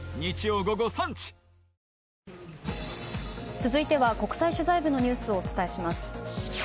続いては、国際取材部のニュースをお伝えします。